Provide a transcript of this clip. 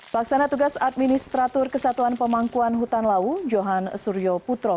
paksana tugas administrator kesatuan pemangkuan hutan lawu johan suryo putro